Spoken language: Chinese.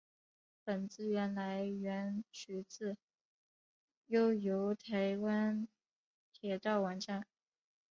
本资料来源取自悠游台湾铁道网站。